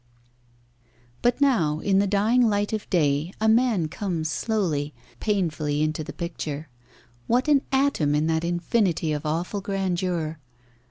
But now, in the dying light of day, a man comes slowly, painfully into the picture. What an atom in that infinity of awful grandeur.